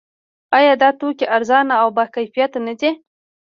آیا دا توکي ارزانه او باکیفیته نه دي؟